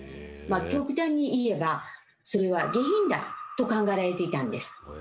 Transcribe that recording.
極端に言えばそれは下品だと考えられていたんです。